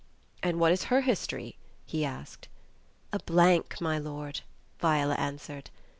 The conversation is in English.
"And what is her history?" he asked. "A blank, my lord," Viola answered.